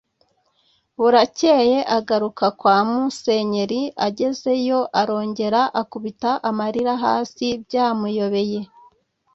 Burakeye agaruka kwa Musenyeri ageze yo arongera akubita amarira hasi byamuyoboye